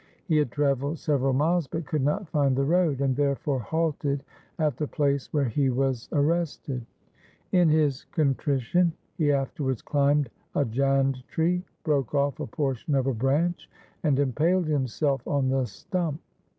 He had travelled several miles but could not find the road, and therefore halted at the place where he was arrested. In his contrition he afterwards climbed a jand tree, broke off a portion of a branch, and impaled himself on the stump.